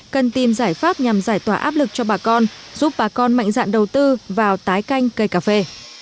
cần tìm giải pháp nhằm giải tỏa áp lực cho bà con giúp bà con mạnh dạn đầu tư vào tái canh cây cà phê